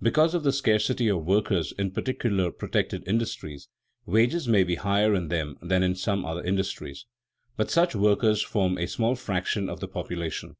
Because of the scarcity of workers in particular protected industries, wages may be higher in them than in some other industries; but such workers form a small fraction of the population.